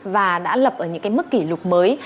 và đã lập ở những mức kỷ lục mới